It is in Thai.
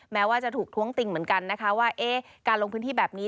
แม้ว่าจะถูกท้วงติงเหมือนกันนะคะว่าการลงพื้นที่แบบนี้